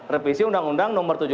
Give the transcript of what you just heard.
revisi undang undang nomor satu